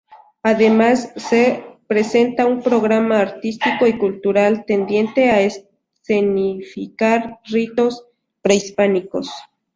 Además, se presenta un programa artístico y cultural tendiente a escenificar ritos prehispánicos.